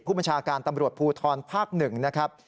พูดมาจาการตำรวจพูทรภาค๑นะครับ